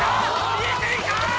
見えていた！